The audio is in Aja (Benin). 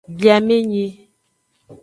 Biamenyi.